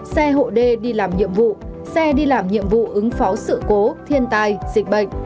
xe hộ đê đi làm nhiệm vụ xe đi làm nhiệm vụ ứng phó sự cố thiên tai dịch bệnh